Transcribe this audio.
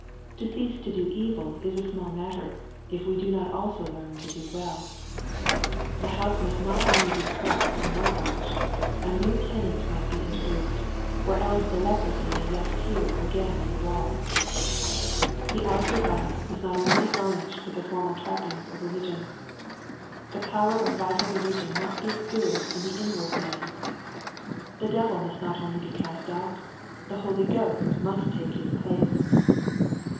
To cease to do evil is a small matter, if we do not also learn to do well. — The house must not only be swept and whitewashed. A new tenant must be intro duced, or else the leprosy may yet appear again in the walls. — The outward life must not only be garnished with the formal trappings of religion. The power of vital religion must be experienced in the inward man. — The devil must not only be cast out. The Holy Ghost must take his place.